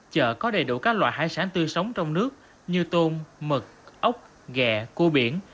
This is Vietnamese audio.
chợ có đầy đủ các loại hải sản tươi sống trong nước như tôm mực ốc ghe cua biển